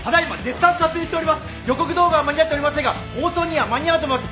予告動画は間に合っておりませんが放送には間に合うと思います。